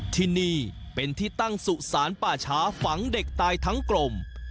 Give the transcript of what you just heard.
ที่นี่เป็นที่ตั้งสุสานป่าช้าฝังเด็กตายทั้งกลม